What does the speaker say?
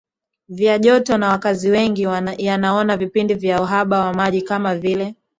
vya joto na wakazi wengi yanaona vipindi vya uhaba wa maji kama vile